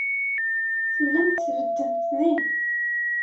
Tellamt tbeddemt din.